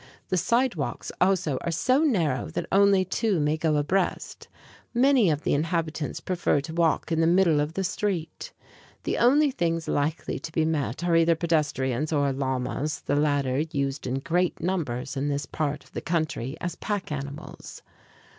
The sidewalks also are so narrow that only two may go abreast. Many of the inhabitants prefer to walk in the middle of the street. The only things likely to be met are either pedestrians or llamas, the latter used in great numbers in this part of the country as pack animals.